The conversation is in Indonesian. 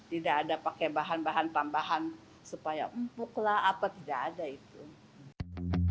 tidak ada pakai bahan bahan tambahan supaya empuk lah apa tidak ada itu